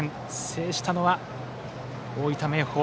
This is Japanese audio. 制したのは、大分・明豊。